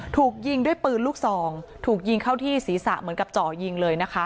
ถูกยิงด้วยปืนลูกซองถูกยิงเข้าที่ศีรษะเหมือนกับเจาะยิงเลยนะคะ